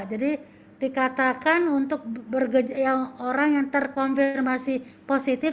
jadi dikatakan untuk orang yang terkonfirmasi positif